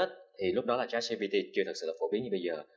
thì lúc đó trái cpt chưa thực sự phổ biến như bây giờ